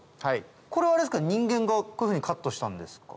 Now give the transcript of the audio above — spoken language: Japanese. これは人間がこういうふうにカットしたんですか？